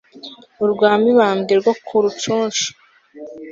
urwa mibambwe rwo ku rucunshu